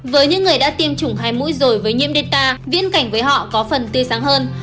với những người đã tiêm chủng hai mũi rồi với nhiễm delta viễn cảnh với họ có phần tươi sáng hơn